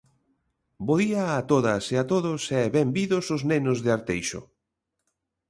Bo día a todas e a todos e benvidos os nenos de Arteixo.